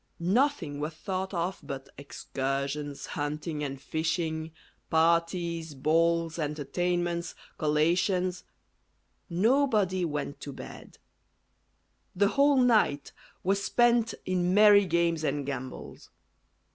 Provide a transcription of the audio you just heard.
Nothing was thought of but excursions, hunting and fishing, parties, balls, entertainments, collations; nobody went to bed; the whole night was spent in merry games and gambols.